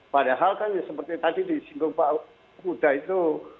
padahal kan seperti tadi di singgung pak kuda itu